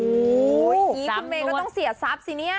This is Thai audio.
โอ้โฮคุณเมย์ก็ต้องเสียทรัพย์สิเนี่ย